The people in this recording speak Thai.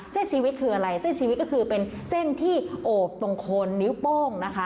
ชีวิตคืออะไรเส้นชีวิตก็คือเป็นเส้นที่โอบตรงโคนนิ้วโป้งนะคะ